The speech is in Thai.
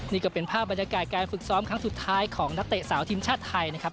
นี่ก็เป็นภาพบรรยากาศการฝึกซ้อมครั้งสุดท้ายของนักเตะสาวทีมชาติไทยนะครับ